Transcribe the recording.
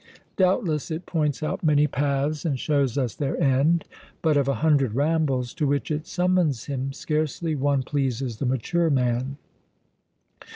Doubtless it points out many paths, and shows us their end; but, of a hundred rambles to which it summons him, scarcely one pleases the mature man.